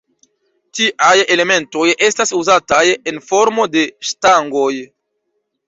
Tiaj elementoj estas uzataj en formo de stangoj.